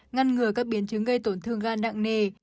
ngăn ngừa các biến chứng gây tổn thương gan nặng nề